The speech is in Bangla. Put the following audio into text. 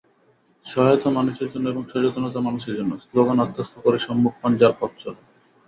সহায়তা মানুষের জন্য এবং সচেতনতা মানুষের জন্য—স্লোগান আত্মস্থ করে সম্মুখপানে যাঁর পথচলা।